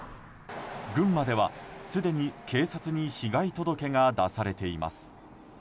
群馬では、すでに警察に被害届が出されています。